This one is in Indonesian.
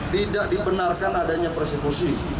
tidak dibenarkan adanya persekusi